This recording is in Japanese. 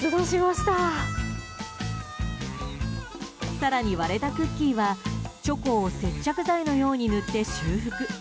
更に割れたクッキーはチョコを接着剤のように塗って修復。